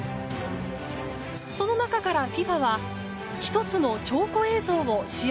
その中からＦＩＦＡは１つの証拠映像を試合